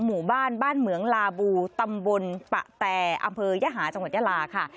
หมู่บ้านบ้านเหมืองลาบูตำบลปะแต่อำเภอยหาจังหวัดยาลาค่ะ